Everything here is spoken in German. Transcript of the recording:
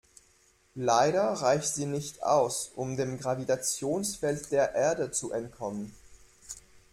Leider reicht sie nicht aus, um dem Gravitationsfeld der Erde zu entkommen.